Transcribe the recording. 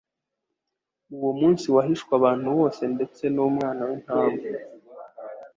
uwo munsi wahishwe abantu bose ndetse numwana w'intama